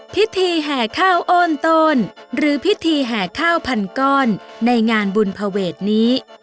แห่ข้าวโอนโตนหรือพิธีแห่ข้าวพันก้อนในงานบุญภเวทนี้